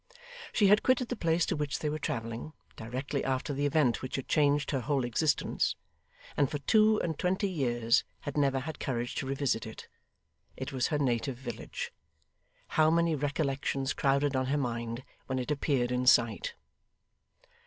She had quitted the place to which they were travelling, directly after the event which had changed her whole existence; and for two and twenty years had never had courage to revisit it. It was her native village. How many recollections crowded on her mind when it appeared in sight!